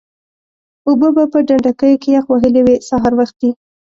اوبه به په ډنډوکیو کې یخ وهلې وې سهار وختي.